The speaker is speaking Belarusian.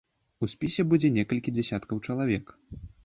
У спісе будзе некалькі дзесяткаў чалавек.